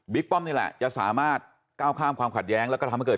ป้อมนี่แหละจะสามารถก้าวข้ามความขัดแย้งแล้วก็ทำให้เกิด